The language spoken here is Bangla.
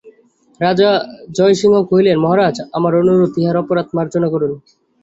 রাজা জয়সিংহ কহিলেন, মহারাজ, আমার অনুরোধে ইহার অপরাধ মার্জনা করুন।